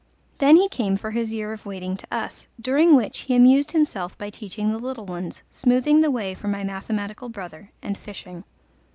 Then he came for his year of waiting to us, during which he amused himself by teaching the little ones, smoothing the way for my mathematical brother, and fishing.